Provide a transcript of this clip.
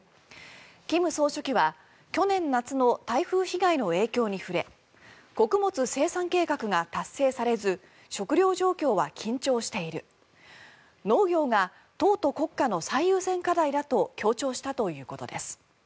金総書記は去年夏の台風被害の影響に触れ穀物生産計画が達成されず食糧状況は緊張している農業が党と国家の最優先課題だと強調したということです。